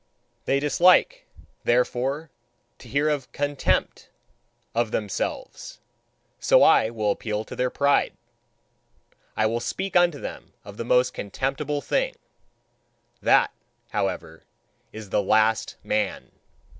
They dislike, therefore, to hear of 'contempt' of themselves. So I will appeal to their pride. I will speak unto them of the most contemptible thing: that, however, is THE LAST MAN!"